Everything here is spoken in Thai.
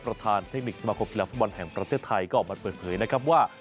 ประธานเทคนิคสมาครพิลักษณ์ฟินบอลแห่งประเทศไทยก็ออกมาเผยนะครับว่า